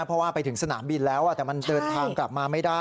เพราะว่าไปถึงสนามบินแล้วแต่มันเดินทางกลับมาไม่ได้